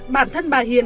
bản thân bà hiền